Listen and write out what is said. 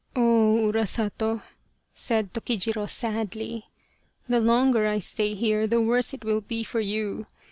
"Oh! Urasato!" said Tokijiro, sadly, "the longer I stay here the worse it will be for you.